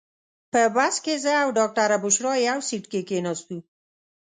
په بس کې زه او ډاکټره بشرا یو سیټ کې کېناستو.